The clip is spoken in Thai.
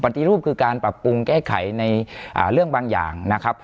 ปฏิรูปคือการปรับปรุงแก้ไขในเรื่องบางอย่างนะครับ